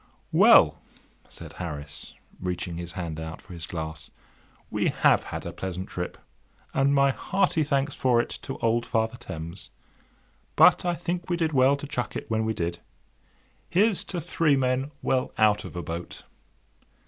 "Well," said Harris, reaching his hand out for his glass, "we have had a pleasant trip, and my hearty thanks for it to old Father Thames—but I think we did well to chuck it when we did. Here's to Three Men well out of a Boat!"